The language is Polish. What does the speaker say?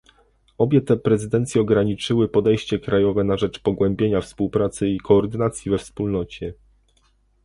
Obie te prezydencje ograniczyły podejście krajowe na rzecz pogłębienia współpracy i koordynacji we Wspólnocie